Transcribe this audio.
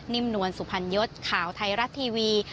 นิ่มนวลสุพันยศข่าวไทยรัฐทีวี